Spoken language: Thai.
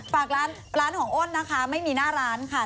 ฝากร้านร้านของอ้นนะคะไม่มีหน้าร้านค่ะ